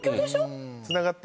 つながって。